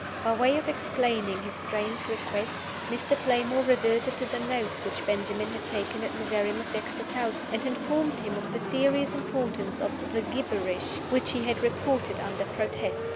By way of explaining his strange request, Mr. Playmore reverted to the notes which Benjamin had taken at Miserrimus Dexter's house, and informed him of the serious importance of "the gibberish" which he had reported under protest.